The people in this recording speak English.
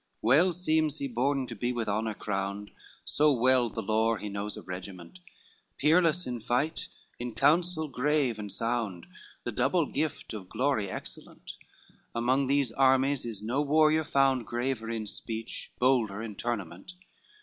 LIX "Well seems he born to be with honor crowned, So well the lore he knows of regiment, Peerless in fight, in counsel grave and sound, The double gift of glory excellent, Among these armies is no warrior found Graver in speech, bolder in tournament.